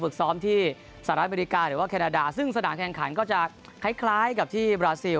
ซ้อมที่สหรัฐอเมริกาหรือว่าแคนาดาซึ่งสนามแข่งขันก็จะคล้ายกับที่บราซิล